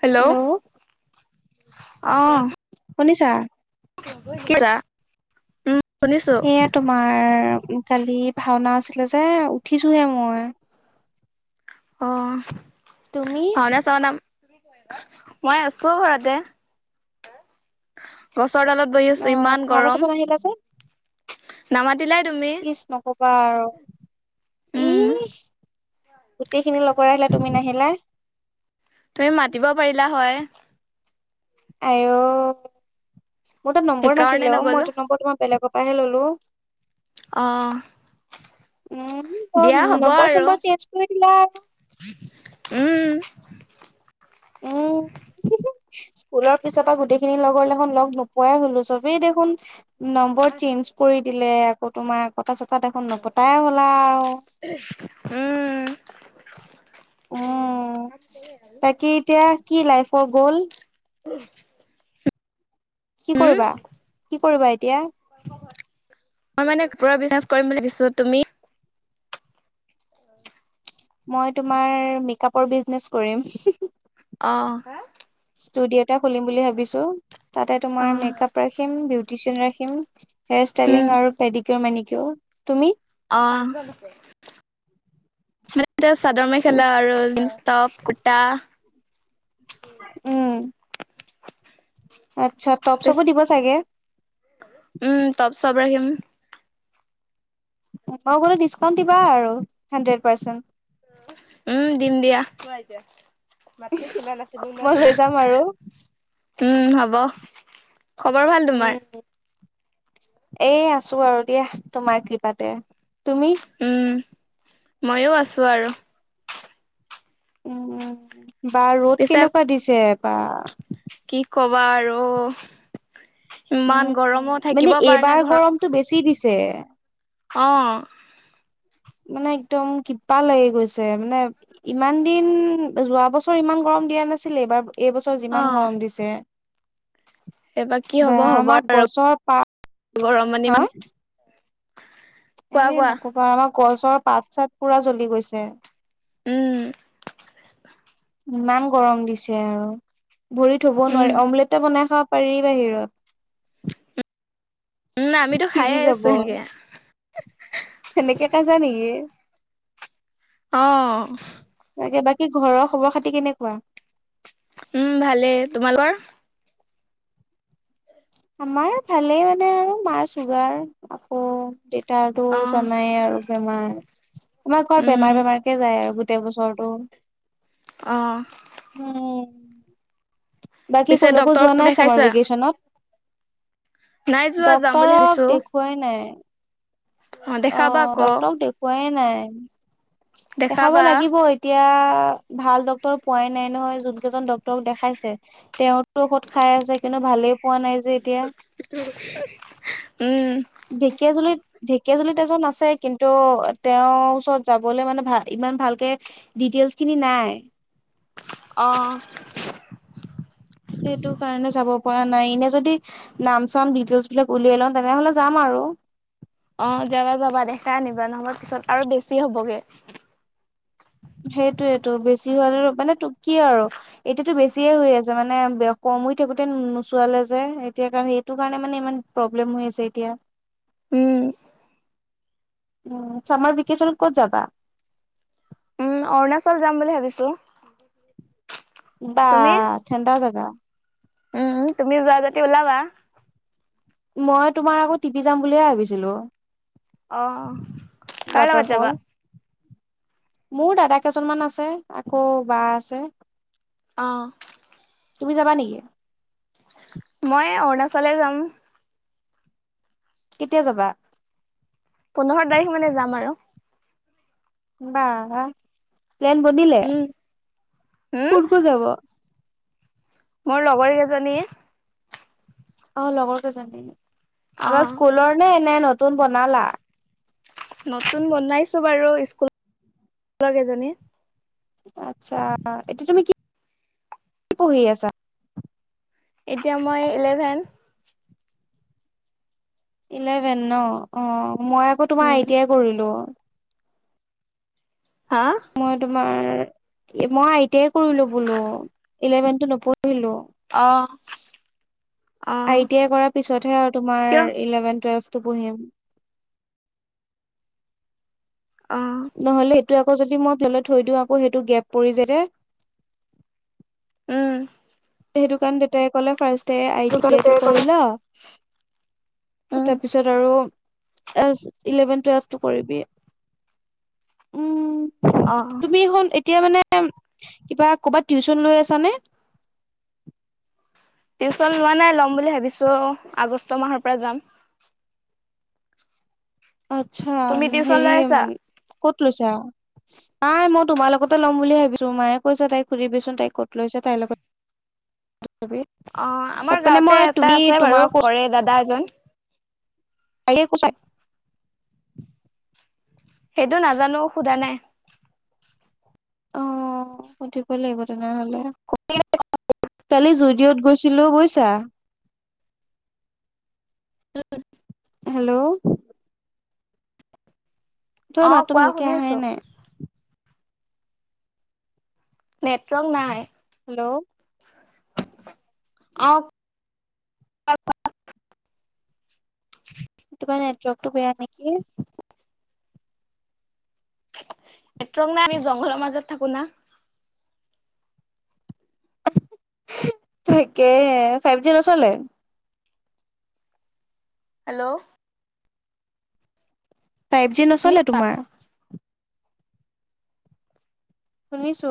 [unintelligible] Hello অহ শুনিছা? [unintelligible] উম। শুনিছো সেয়া তোমাৰ। কালি ভাওনা আছিলে যে উঠিছোহে মই। অ, তুমি? ভাওনা চোৱা নাম [unintelligible] [unintelligible] মই আছো ঘৰতে। [unintelligible] গছৰ তলত বহি অ' আছো, ইমান ভাওনা চাব গৰম। নাহিলা যে? নামাতিলাই তুমি। বাৰু। উম ইস গোটেইখিনি লগ [unintelligible] তুমি নাহিলাই। তুমি মাতিব পাৰিলা হয়। আই অ। মোৰ তাত নম্বৰ সেইকাৰণে নাছিলে অ। মই নগলো এইটো নম্বৰ তোমাৰ বেলেগৰ পাই ললোঁ। অ। উম, ত দিয়া হ'ব নম্বৰ আৰু চম্বৰ চেঞ্জ কৰি দিলা [unintelligible] [inaudible] [unintelligible] উম। স্কুলৰ পিছৰ পৰা গোটেইখিনি লগৰ দেখোন লগ নোপোৱাই হ'লো। চবেই দেখোন নম্বৰ চেঞ্জ কৰি দিলে, আকৌ তোমাৰ আকৌ তাছত তাত এখন নপতাই হ'লা আও। মানে [unintelligible] আৰু পগল [unintelligible] উ কি কৰিবা? কি কৰিবা এতিয়া? মই মানে পুৰা বিজনেছ কৰিম বুলি ভাবিছোঁ, তুমি? মই তোমাৰ মেকআপৰ বিজনেচ কৰিম। অ। হা? ষ্টুডিঅ' এটা খুলিম বুলি ভাবিছো। তাতে অ তোমাৰ মেকআপ, ৰাখিম বিউটিচিয়ান ৰাখিম। হেয়াৰ ষ্টাইলিং উম আৰু পেডিকিউৰ, মেনিকিউৰ। তুমি? অ [unintelligible] [unintelligible] চাদৰ মেখেলা আৰু জিনছ্ টপ কুটা উম আচ্ছা টপ চপো দিব চাগে উম তপ চব ৰাখিম। মই গলে ডিচকাউন্ট দিবা আৰু হাণ্ড্ৰেড পাৰ্চেণ্ট। উম, দিম দিয়া। মাতটো শুনা নাছিলো মই লৈ যাম [unintelligible] আৰু। উম হ'ব। খবৰ ভাল তোমাৰ? উম, এই আছো আৰু দিয়া তোমাৰ কৃপাতে। তুমি? মইও আছো আৰু। উম, বা ৰ'দ পিছে কেনেকুৱা দিছে বা। কি ক'বা আৰু। উম, ইমান গৰম অ মানে থাকিব পাৰা এইবাৰ নাই গৰমটো ঘৰত। বেছি দিছে। অ। মানে একদম কিবা লাগি গৈছে। মানে ইমান দিন, যোৱা বছৰ ইমান গৰম দিয়া নাছিলে এইবাৰ এইবছৰ অ যিমান গৰম দিছে। এইবাৰ কি বা হ'ব হ'ব আমাক আৰু গছৰ পাত গৰম মানে হা ইমান কোৱা এ কোৱা নকবা। আমাৰ গছৰ পাত-চাট পুৰা জ্বলি গৈছে। উম। ইমান গৰম দিছে আও। ভৰি থব নোৱাৰি। উম অমলেটে বনাই খাব পাৰি বাহিৰত। উম আমিটো সিজি খাইয়ে আছো যাব। সেনকে। সেনেকে খাইছা নেকি? অ। তাকে, বাকী ঘৰৰ খবৰ খাতি কেনেকুৱা? উম, ভালেই। তোমালোকৰ? আমাৰো ভালেই মানে আৰু মাৰ চুগাৰ আকৌ দে তাওৰতো অ জনাই আৰু বেমাৰ আমাৰ ঘৰত উম বেমাৰ বেমাৰকে যায় আৰু গোট গোটে বছৰটো অহ। উম। বাকী ক'লৈকো ডক্তৰক যোৱা নাই চামাৰ দেখাইছা ভেকেচনত। নাই যোৱা যাম বুলি ডক্তৰক ভাবিছো দেখুৱাই নাই। অ দেখাবা আকৌ ডক্তৰক দেখুৱাই নাই দেখাব দেখাবা লাগিব এতিয়া। ভাল ডক্টৰ পোৱাই নাই নহয়, যি কেইজন ডক্তৰক দেখাইছে তেওঁতো ঔষধ খাই আছে কিন্তু ভালেই পোৱা নাই যে এতিয়া উম ঢেকীয়াজুলিত। ঢেকীয়াজুলিত এজন আছে কিন্তু তেওঁৰ ওচৰত যাবলে মানে ভাল ইমান ভালকে দিটে ডিটেলছ্ খিনি নাই। অ। সেইটো কাৰণে যাব কৰা নাই এনে যদি নাম চাম ডিটেলচ্ বিলাক উলিয়াই লওঁ তেনেহলে যাম আৰু। অ যাবা যাবা দেখাই আনিবা নহবা পিছত আৰু বেছি হ'বগে। সেইটোয়েটো বেছি হোৱালে মানে তো কি আৰু এতিয়াতো বেছিয়ে হৈ আছে মানে বেঅ ক সময় থাকোতে নোচোৱালে যে এতিয়া কাৰণ এইটো কাৰণে মানে ইমান প্ৰব্লেম হৈ আছে এতিয়া। উম। উম চামাৰ ভিকেচনত ক'ত যাবা? উম অৰুণাচল যাম বুলি ভাবিছো। বা তুমি ঠেণ্ডা জাগা। উম তুমিও যোৱা যদি ওলাবা। মই তোমাৰ আকৌ টিপি যাম বুলিয়ে ভাবিছিলো। অ-অ কাৰ লগত ৱাটাৰফল যাবা? মোৰ দাদাকেইজনমান আছে, আকৌ বা আছে। অ। তুমি যাবা নিকি? মই অৰুণাচলে যাম। কেতিয়া যাবা? পোন্ধৰ তাৰিখ মানে যাম আৰু। বাআহ প্লেন বনিলে উম হম কোন কোন যাব? মোৰ লগৰ কেইজনী। অ লগৰ কেইজন অ আগৰ স্কুলৰ নে নতুন বনালা? নতুন বনাইছো বাৰু স্কু- লৰ কেইজনী। আচ্ছা এতিয়া তুমি কি পঢ়ি আছা? এতিয়া মই ইলেভেন। ইলেভেন ন অ মই আকৌ তোমাৰ উম আই টি আই কৰিলো। হা মই তোমাৰ মই আই টি আই কৰিলো বোলো ইলেভেনটো নপঢ়িলো। ঢ়িলো অ অ আই টি আই কৰাৰ পিছতহে অ তোমাৰ কিয় ইলেভেন টুৱেলভ টো পঢ়িম অহ' ত আকৌ যদি মই কেলৈ থৈ দিওঁ, আকৌ সেইটো গেপ পৰি যাই যে উম' সেইটো কাৰণে দেতাই ক'লে, ফাৰ্ষ্ট তে আই, টি, আই টো কৰি ল। উম তাৰপিছত আৰু এছ ইলেভেন, টোৱেলভটো কৰিবি, উম' অ তুমি সোণ এতিয়া মানে, কিবা ক'বাত টিউচন লৈ আছানে? টিউচন লোৱা নাই, ল'ম বুলি ভাবিছো আগষ্ট মাহৰ পৰা যাম। আচ্ছা তুমি টিউচন হেৰি, লৈ আছা ক'ত লৈছা? নাই, মই তোমাৰ লগতে ল'ম বুলি ভাবিছো। মায়ে কৈছে তাইক সুধিবিচোন তাই ক'ত লৈছে তাইৰ লগত [inaudible] [unintelligible] অ আমাৰ মানে গাঁৱতে মই, এটা তুমি আছে তোমাৰ বাৰু কৰে দাদা এজন [unintelligible] [unintelligible] সেইটো নাজানো, সোধা নাই। অ সুধিব লাগিব তেনেহলে, কালি জু দিঅত গৈছিলো বুইছা? উম হেল্লও। তোমাৰ অ মাতটো কোৱা ভালকে শুনি আহাই আছো নাই। নেটৱৰ্ক নাই। হেল্লও অ কোৱা, কোৱা। কিবা নেটৱৰকটো বেয়া নেকি? নেটৱৰ্ক নাই, আমি জংঘলৰ মাজত থাকো না। [unintelligible] তাকেহে, ফাইভ জি নচলে? হেল্ল। ফাইভ জি নচলে তোমাৰ? শুনিছো।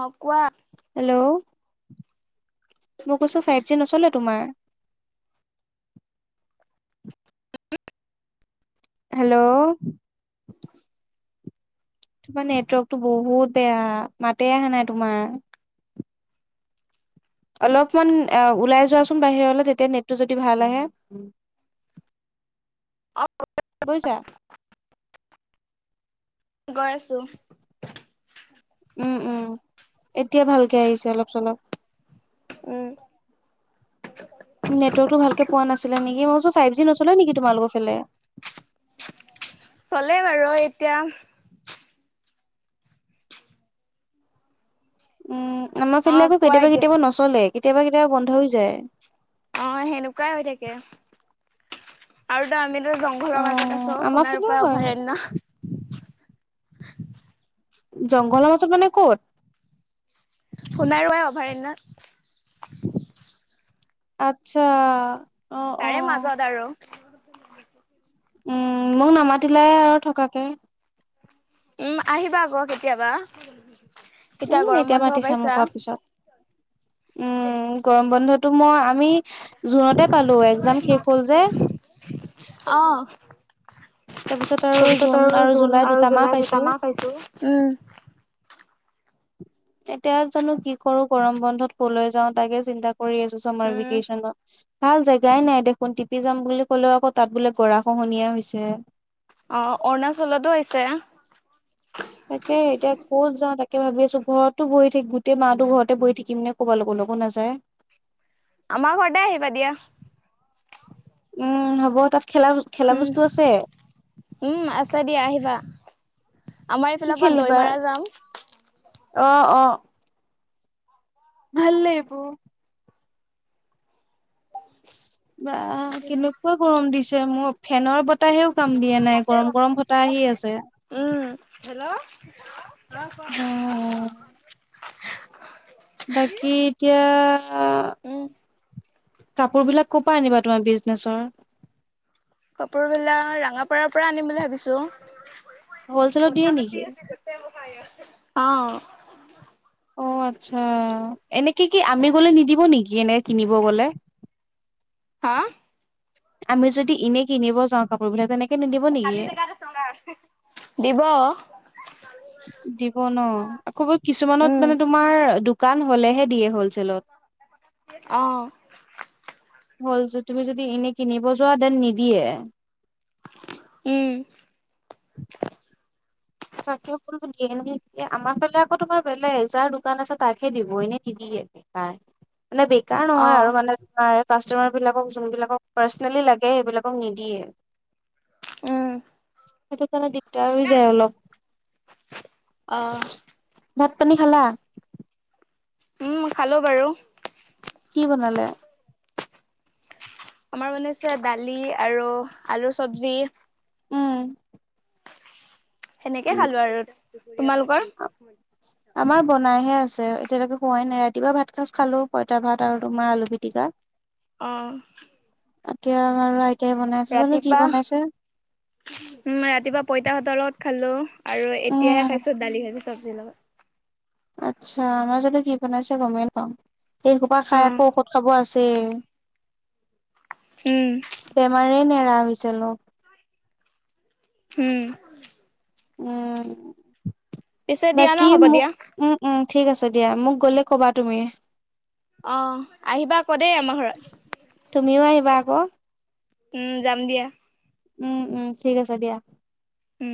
অ, কোৱা। হেল্ল। মই কৈছো ফাইভ জি নচলে তোমাৰ? হেল্লউ। তোমাৰ নেটৱৰ্কটো বহুত বেয়া, মাতে আহা নাই তোমাৰ। অলপমান ওলাই এ যোৱাচোন বাহিৰলে, তেতিয়া নেটটো যদি ভাল আহে। বুইছা। গৈ আছো। উম, উম। এতিয়া ভালকে আহিছে অলপ-চলপ। উম। নেটৱৰ্কটো ভালকে পোৱা নাছিলে নেকি? মই কৈছো ফাইভ জি নচলে নেকি তোমালোকৰ ফালে? চলে বাৰু এতিয়া। উম, আমাৰ অ ফালে আকৌ কোৱা কেতিয়াবা এতিয়া কেতিয়াবা নচলেই, কেতিয়াবা কেতিয়াবা বন্ধ হৈ যায়। অ' সেনেকুৱাই হৈ থাকে আৰু দা আমিন [unintelligible] জংঘলৰ অ মাজত আছো, আমাৰ ফালেও সোনাৰোপা হয়। অভয়াৰণ্য। জংঘলৰ মাজত মানে ক'ত? সোণাৰোৱা অভয়াৰণ্যত আচ্ছা। অ', তাৰে অ'। মাজত আৰু। উম, মোক নামাতিলাই আৰু থকাকে। উম, আহিবা আকৌ কেতিয়াবা। এতিয়া উম, গৰম বন্ধও মাতিছা মোক পাইছা। কোৱাৰ পিছত। উম, গৰম বন্ধটো মই আমি জুনতে পালো, এক্জাম শেষ হল যে। উম। তাৰপিছত আৰু জুন আৰু জুলাই দুটা মাহ পাইছো। [inaudible] উম, এতিয়া জানো কি কৰো, গৰম বন্ধত ক'লৈ যাও? তাকে চিন্তা কৰ কৰি আছো চামাৰ ভেকেচনত। ভাল জেগাই নাই দেখোন। টিপি যাম বুলি ক'লেও আকৌ তাত বোলে গৰাখহনীয়া হৈছে। অ, অৰুণাচলটো হৈছে। তাকে এতিয়া ক'ত যাওঁ তাক তাকে ভাবি আছো ঘৰতো বহি থাকি গোটেই মাাতো ঘৰতে বহি থাকিম নে কবাৰ লগৰ লগো নাযায়। আমা ঘৰতে আহিবা দিয়া। উম, হ'ব তাত খেলা খেলা উম, বস্তু আছে? উম, আছে দিয়া আহিবা। আমাৰ কি এইফালৰ পৰা দৈ খেলিবা মাৰা যাম। অ, অ। ভাল লাগিব। বা কেনেকুৱা গৰম দিছে মোৰ ফেনৰ বত তাহেও কাম দিয়া নাই গৰম গৰম বতাহ আহি আছে। উম, অ [unintelligible] বাকী এতিয়া উম। কাপোৰ বিলাক ক' পা আনিবা তোমাৰ বিজনেছৰ? কাপোৰ বিলাক ৰাঙাপাৰাৰ পৰা আনিম বুলি ভাবিছো। হলচেলত দিয়ে কথা নেকি পাতি আছিলো অ, অ, আচ্ছা এনেকে কি আমি গলে নিদিব নিকি এনে কিনিব গলে? হা। আমি যদি ইনেই কিনিব যাওঁ কাপোৰ বিলাক তেনেক খালি জেগাত আছো আও হেএ দিব দিব ন আকৌ কিছুমানত মানে তোমাৰ দোকান হ'লেহে দিয়ে অ', হ'লচেলত। হ'ল যদি তুমি যদি এনে কিনিব যোৱা দেন নিদিয়ে। উম। তাকে সকলো দিয়ে আমাৰ ফালে আকৌ তোমাৰ বেলেগ যাৰ দোকান আছে তাকহে দিব এনেই নিদিয়ে। এ বেকাৰ মানে বেকাৰ নহয় আৰু অ', মানে তোমাৰ কাষ্টমাৰবিলাকক যোনবিলাকক পাৰ্চেনেলি লাগে সেইবিলাকক নিদিয়ে। উম। সেইটো কাৰণে দিগদাৰ হৈ যায় অলপ। অহ। ভাত পানী খালা? উম খালো বাৰু। কি বনালে? আমাৰ বনাইছে দালি আৰু আলু চবজি। উম। সেনেকে উম। খালো আৰু তোমালোকৰ? আমাৰ বনাইহে আছে এতিয়ালৈকে হোৱাই নাই ৰাতিপুৱা ভাত সাঁজ খালো পইতা ভাত আৰু তোমাৰ আলু পিটিকা। অঁ। এতিয়া আমাৰো আইত ৰাতিপা উম ৰাতিপা পইতা ভাতৰ লগত। খালো আৰু এতিয়াহে উম খাইছো দালি ভাজি চব্জিৰ লগত। আচ্ছা আমাৰ যানো কি বনাইছে গমেই নাপাওঁ এই হোপা অ খাই আকৌ ঔষধ খাব আছে। উম ছেই বেমাৰে নেৰা হৈছে লগ। উম। উম, পিছে দিয়া বাকি ন হ'ব মোক দিয়া। উম উম। ঠিক আছে দিয়া মোক গ'লে ক'বা তুমি। অ আহিবা কৌ দেই আমাৰ ঘৰত তুমিও আহিবা আকৌ উম যাম দিয়া উম উম ঠিক আছে দিয়া উম